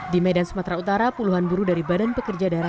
di medan sumatera utara puluhan buruh dari badan pekerja daerah